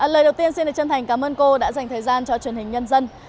lời đầu tiên xin được chân thành cảm ơn cô đã dành thời gian cho truyền hình nhân dân